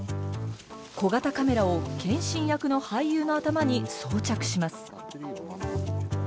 小型カメラを謙信役の俳優の頭に装着します。